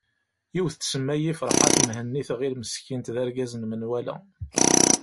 Yiwet tsemma-yi ferḥat Mhenni tɣil meskint d argaz n menwala.